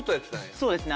そうですね。